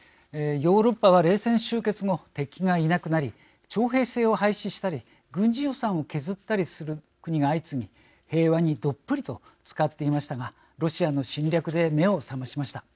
ヨーロッパは冷戦終結後敵がいなくなり徴兵制を廃止したり軍事予算を削ったりする国が相次ぎ、平和にどっぷりとつかっていましたがロシアの侵略で目を覚ましました。